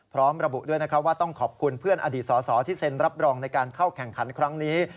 พร้อมระบุด้วยนะครับว่าต้องขอบคุณเพื่อนอดีตสอสอที่เซ็นรับรองในการเข้าแข่งขันครั้งนี้